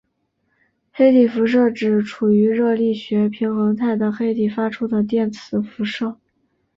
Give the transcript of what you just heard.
黑体辐射指处于热力学平衡态的黑体发出的电磁辐射。